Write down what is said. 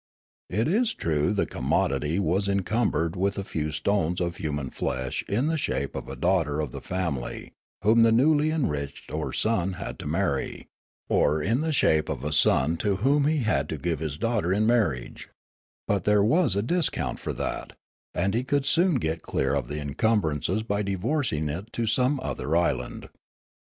It is true the commodity was en cumbered with a few stones of human flesh in the shape of a daughter of the family whom the newl}' enriched or his son had to marry, or in the shape of a son to whom he had to give his daughter in marriage ; but there was discount for that, and he could soon get clear of the encumbrance by divorcing it to some other island.